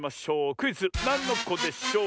クイズ「なんのこでショー」